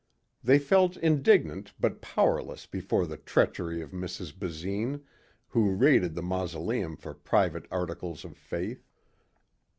They felt indignant but powerless before the treachery of Mrs. Basine, who raided the mausoleum for private articles of faith.